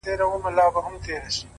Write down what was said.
يارانو راټوليږی چي تعويذ ورڅخه واخلو،